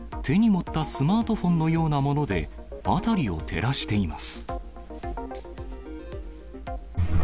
手に持ったスマートフォンのようなもので、辺りを照らしています。